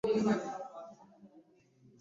Lwe banaatandika okukola nja kubaawo.